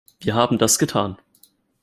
Wir haben das getan.